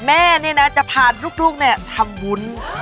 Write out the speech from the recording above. แม่เนี่ยนะจะพาลูกเนี่ยทำวุ้น